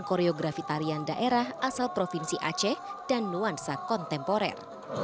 koreografi tarian daerah asal provinsi aceh dan nuansa kontemporer